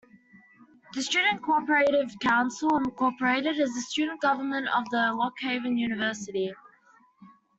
The Student Cooperative Council, Incorporated is the student government of Lock Haven University.